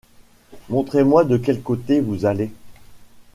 Montrez-moi de quel côté vous allez.